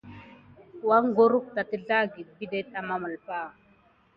Kurum ne sim na zliku na vedem ɓa a barkiwuka.